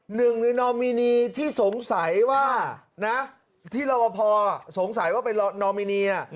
หนึ่งในนอมินีที่สงสัยว่านะที่เราพอสงสัยว่าเป็นนอมินี